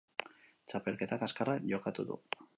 txapelketa kaxkarra jokatu du